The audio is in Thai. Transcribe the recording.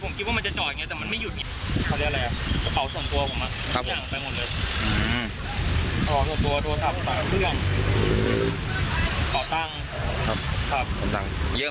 ผมคิดว่ามันจะจอยแต่มันไม่หยุดเขาเรียกอะไรขาวส่วนตัวผมนะ